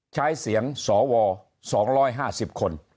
ใช้เสียงสว๒๕๐คน